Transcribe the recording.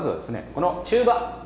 この中羽。